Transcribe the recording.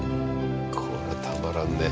これたまらんね。